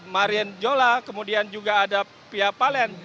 marian jola kemudian juga ada pia palen